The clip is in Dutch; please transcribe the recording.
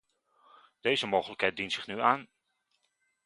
Deze mogelijkheid dient zich nu aan.